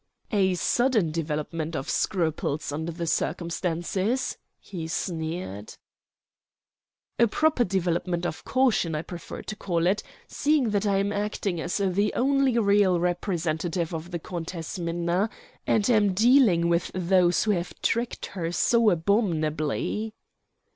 "A sudden development of scruples, under the circumstances," he sneered. "A proper development of caution I prefer to call it, seeing that I am acting as the only real representative of the Countess Minna, and am dealing with those who have tricked her so abominably."